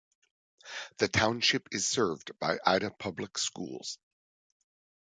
The township is served by Ida Public Schools.